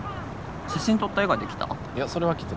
写真撮った以外で来た？